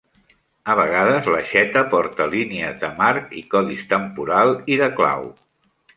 A vegades l'aixeta porta línies de marc i codis temporal i de clau.